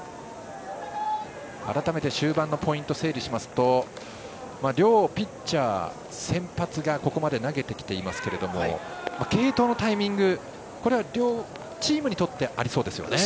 改めて終盤のポイントを整理しますと両ピッチャー、先発がここまで投げてきていますが継投のタイミング、これは両チームにとってありそうですね。